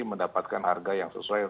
mendapatkan harga yang sesuai